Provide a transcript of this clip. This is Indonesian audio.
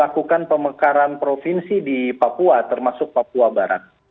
ke provinsi di papua termasuk papua barat